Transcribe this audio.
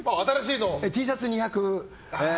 Ｔシャツ２００